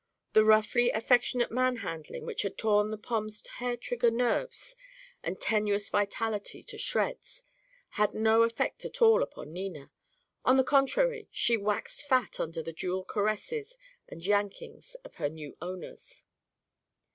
The roughly affectionate manhandling which had torn the Pom's hair trigger nerves and tenuous vitality to shreds had no effect at all upon Nina. On the contrary, she waxed fat under the dual caresses and yankings of her new owners.